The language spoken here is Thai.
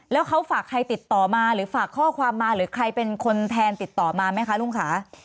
แล้วเขาฝากใครติดต่อมาหรือฝากข้อความมาหรือใครเป็นคนแทนติดต่อมาไหมคะลุงค่ะ